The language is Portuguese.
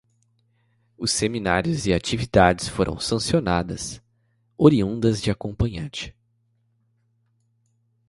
Os seminários e atividades foram sancionadas, oriundas da acompanhante